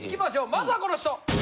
まずはこの人！